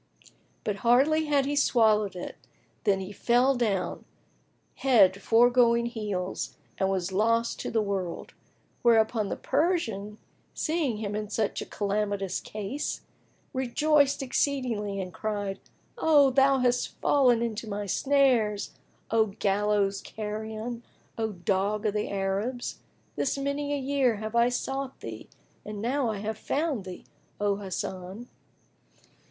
But hardly had he swallowed it, when he fell down, head foregoing heels, and was lost to the world; whereupon the Persian, seeing him in such calamitous case, rejoiced exceedingly and cried, "Thou hast fallen into my snares, O gallows carrion, O dog of the Arabs! This many a year have I sought thee and now I have found thee, O Hasan!"